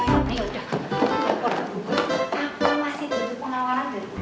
kamu masih penyelamatkan orang dari bukannya